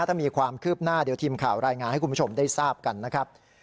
ถ้ามีความคืบหน้าเดี๋ยวทีมข่าวรายงานให้คุณผู้ชมได้ทราบกันนะครับ